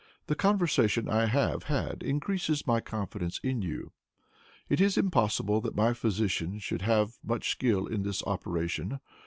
The conversation I have had increases my confidence in you. It is impossible that my physicians should have much skill in this operation.